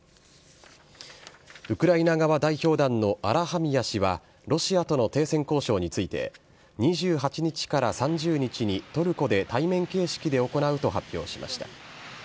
ウクライナ側代表団のアラハミヤ氏は、ロシアとの停戦交渉について、２８日から３０日にトルコで対面形式で行うと発表しました。